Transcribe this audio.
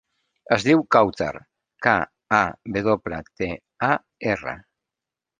Es diu Kawtar: ca, a, ve doble, te, a, erra.